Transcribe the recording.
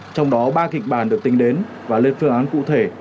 trong đó ba kịch bản được tính đến và lên phương án cụ thể